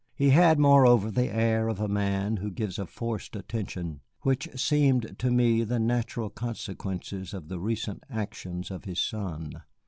He had, moreover, the air of a man who gives a forced attention, which seemed to me the natural consequences of the recent actions of his son.